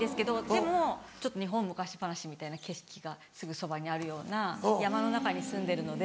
でもちょっと日本昔話みたいな景色がすぐそばにあるような山の中に住んでるので。